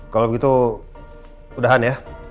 kalau begitu udahan ya